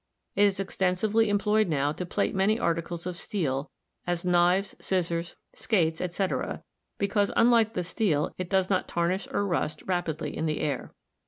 It is extensively employed now to plate many articles of steel — as knives, scissors, skates, etc. — because unlike the steel it does not tarnish or rust rapidly in the air.